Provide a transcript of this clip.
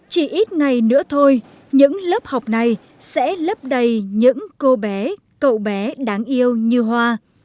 chỉ ít ngày nữa thôi những lớp học này sẽ lấp đầy những cô bé cậu bé đáng yêu như hoa